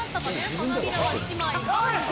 花びらが１枚。